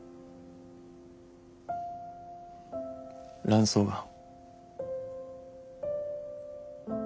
卵巣がん。